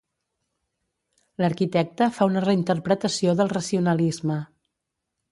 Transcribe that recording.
L'arquitecte fa una reinterpretació del racionalisme.